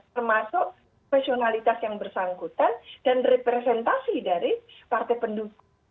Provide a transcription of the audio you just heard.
termasuk profesionalitas yang bersangkutan dan representasi dari partai pendukung